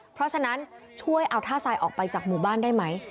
เพราะฉะนั้นช่วยเอาท่าทรายออกไปจากหมู่บ้านได้ไหม